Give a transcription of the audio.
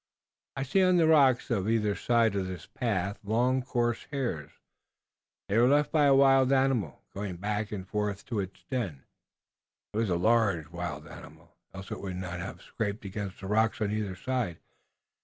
"I see on the rocks on either side of this path long, coarse hairs. They were left by a wild animal going back and forth to its den. It was a large wild animal, else it would not have scraped against the rocks on either side.